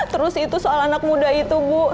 terus itu soal anak muda itu bu